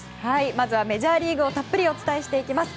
まずはメジャーリーグをたっぷりお伝えします。